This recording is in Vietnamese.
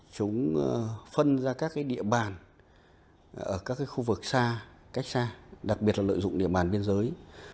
chúng phân ra các địa bàn ở các khu vực xa cách xa đặc biệt là lợi dụng địa bàn biên giới